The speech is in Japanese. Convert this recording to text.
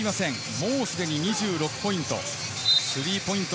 もうすでに２６ポイント。